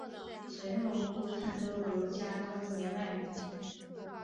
随后顾琛都留家照顾年迈母亲。